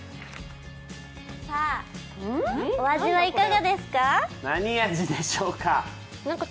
お味はいかがですか？